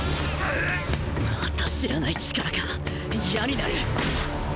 また知らない力か嫌になる！